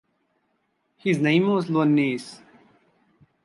His name was Ioannis.